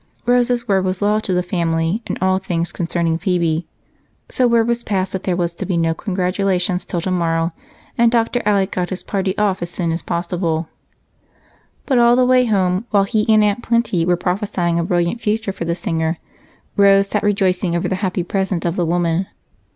Rose's word was law to the family in all things concerning Phebe. So word was passed that there were to be no congratulations until tomorrow, and Dr. Alec got his party off as soon as possible. But all the way home, while he and Aunt Plenty were prophesying a brilliant future for the singer, Rose sat rejoicing over the happy present of the woman.